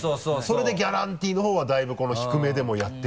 それでギャランティーのほうはだいぶ低めでもやってるかと思ったら。